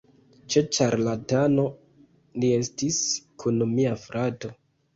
Ĉe ĉarlatano ni estis kun mia frato